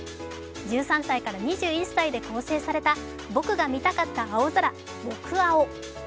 １３歳から２１歳で構成された僕が見たかった青空、僕青。